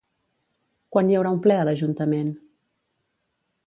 Quan hi haurà un ple a l'ajuntament?